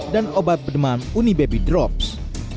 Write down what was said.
dan obat demam unibaby drops